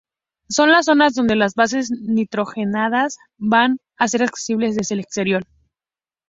Son las zonas donde las bases nitrogenadas van a ser accesibles desde el exterior.